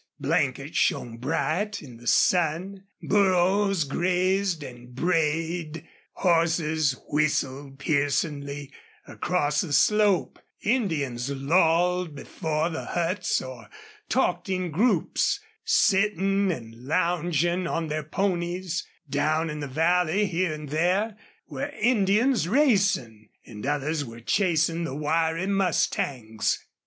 Blankets shone bright in the sun; burros grazed and brayed; horses whistled piercingly across the slope; Indians lolled before the huts or talked in groups, sitting and lounging on their ponies; down in the valley, here and there, were Indians racing, and others were chasing the wiry mustangs.